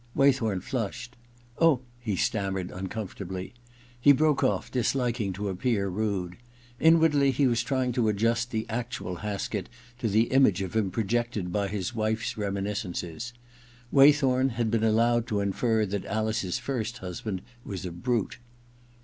Waythorn flushed. * Oh ' he stammered uncomfortably. He broke off, disliking to appear rude. Inwardly he was trying to adjust the actual Haskett to the image of him pro jected by his wife's reminiscences. Waythorn had been allowed to infer that Alice's first husband was a brute.